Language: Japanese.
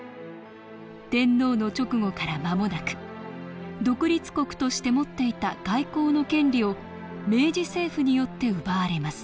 天皇の勅語から間もなく独立国として持っていた外交の権利を明治政府によって奪われます